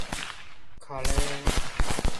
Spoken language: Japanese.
カレー